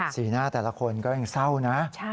สีหน้าแต่ละคนก็ยังเศร้านะ